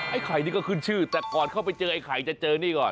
ไข่นี่ก็ขึ้นชื่อแต่ก่อนเข้าไปเจอไอ้ไข่จะเจอนี่ก่อน